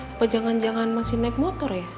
apa jangan jangan masih naik motor ya